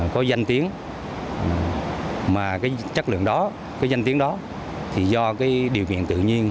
có danh tiếng mà chất lượng đó danh tiếng đó do điều kiện tự nhiên